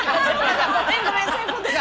ごめんごめんそういうことか。